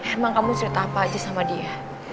emang kamu cerita apa aja sama dia